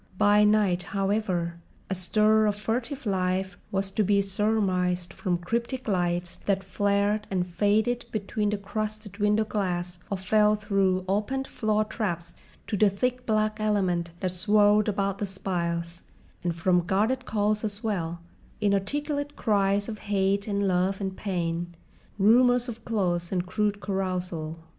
By night, however, a stir of furtive life was to be surmised from cryptic lights that flared and faded behind the crusted window glass or fell through opened floor traps to the thick black element that swirled about the spiles, and from guarded calls as well, inarticulate cries of hate and love and pain, rumours of close and crude carousal.